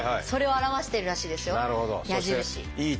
それを表してるらしいですよ矢印。